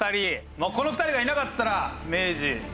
もうこの２人がいなかったら明治幕末